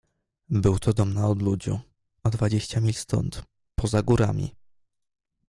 "Był to dom na odludziu, o dwadzieścia mil stąd, poza górami."